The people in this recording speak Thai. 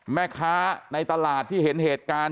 แม่ค้าในตลาดที่เห็นเหตุการณ์